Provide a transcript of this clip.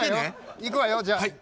いくわよじゃあ。